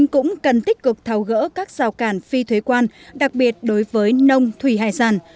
cũng cần tích cực tháo gỡ các rào cản phi thuế quan đặc biệt đối với nông thủy hải sản